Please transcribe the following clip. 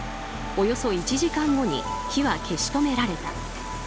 およそ１時間後に火は消し止められた。